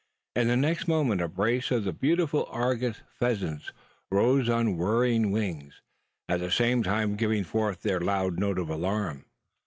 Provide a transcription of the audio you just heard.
In the next moment a brace of the beautiful argus pheasants rose on whirring wing, at the same time giving forth their loud note of alarm.